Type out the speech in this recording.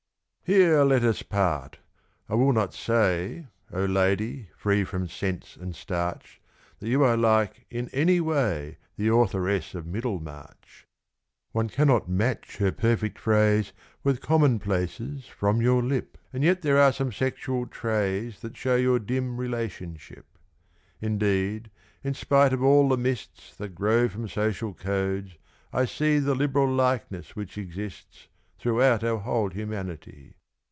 Here let us part! I will not say, O lady free from scents and starch, That you are like, in any way, The authoress of "Middlemarch". One cannot match her perfect phrase With commonplaces from your lip; And yet there are some sexual traits That show your dim relationship. Indeed, in spite of all the mists That grow from social codes, I see The liberal likeness which exists Throughout our whole humanity.